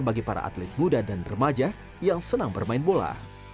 bagi para atlet muda dan remaja yang senang bermain bola